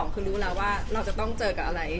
คือรู้แล้วว่าเราจะต้องเจอกับอะไร